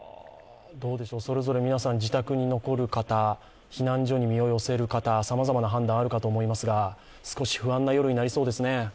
それぞれ皆さん自宅に残る方、避難所に身を寄せる方さまざまな判断あるかと思いますが、少し不安な夜になりそうですね。